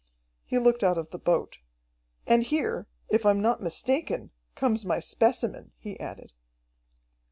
He looked out of the boat. "And here, if I'm not mistaken, comes my specimen," he added.